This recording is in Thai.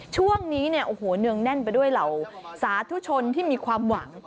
ช่วงนี้เนี่ยโอ้โหเนืองแน่นไปด้วยเหล่าสาธุชนที่มีความหวัง